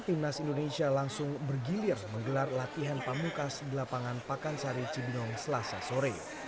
timnas indonesia langsung bergilir menggelar latihan pamungkas di lapangan pakansari cibinong selasa sore